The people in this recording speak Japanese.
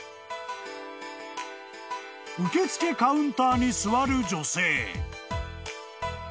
［受付カウンターに座る女性］